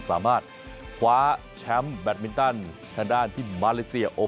สามารถคว้าแชมป์แบตมินตันทางด้านที่มาเลเซีย